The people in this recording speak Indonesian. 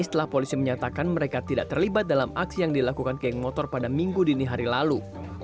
setelah polisi menyatakan mereka tidak terlibat dalam aksi yang dilakukan geng motor pada minggu dini hari lalu